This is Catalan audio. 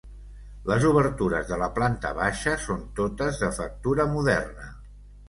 Les obertures de la planta baixa són totes de factura moderna.